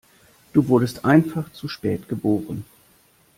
Du wurdest einfach zu spät geboren.